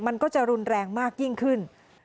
มันก็จะรุนแรงมากยิ่งขึ้น